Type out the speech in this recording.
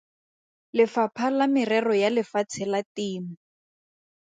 Lefapha la Merero ya Lefatshe la Temo.